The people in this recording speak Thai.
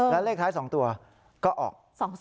และเลขท้าย๒ตัวก็ออก